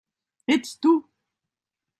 Ets tu.